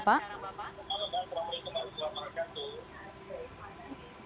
bapak saya mau beri teman teman perhatian dulu